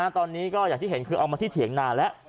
ตอนนี้ก็อย่างที่เห็นคือเอามาที่เถียงนาแล้ว